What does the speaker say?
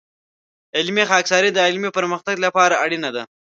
علمي خاکساري د علمي پرمختګ لپاره اړینه ده.